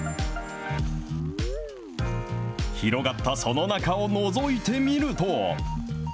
広がったその中をのぞいてみると。